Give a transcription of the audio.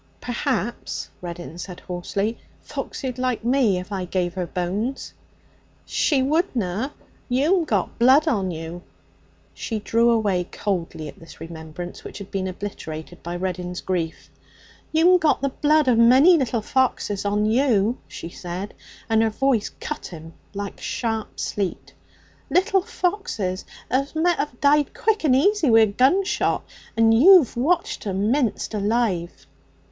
'Perhaps,' Reddin said hoarsely, 'Foxy'd like me if I gave her bones.' 'She wouldna! You'm got blood on you.' She drew away coldly at this remembrance, which had been obliterated by Reddin's grief. 'You'm got the blood of a many little foxes on you,' she said, and her voice cut him like sharp sleet 'little foxes as met have died quick and easy wi' a gunshot. And you've watched 'em minced alive.'